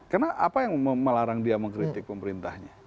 karena apa yang melarang dia mengkritik pemerintahnya